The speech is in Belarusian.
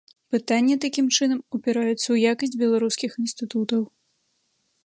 Пытанне, такім чынам, упіраецца ў якасць беларускіх інстытутаў.